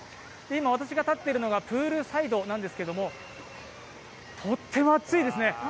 今、私が立っているのがプールサイドなんですがとっても暑いですね。